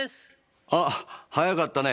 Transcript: ああ早かったね